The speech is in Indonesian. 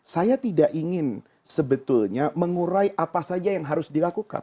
saya tidak ingin sebetulnya mengurai apa saja yang harus dilakukan